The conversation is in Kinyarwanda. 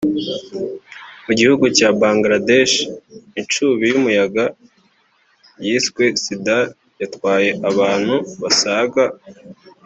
Mu gihugu cya Bangladesh incubi y’umuyaga yiswe Sidr yatwaye abantu basaga